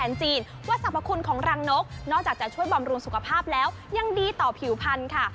จีนว่าสรรพคุณของรังนกนอกจากจะช่วยบำรุงสุขภาพแล้วยังดีต่อผิวพันธุ์ค่ะ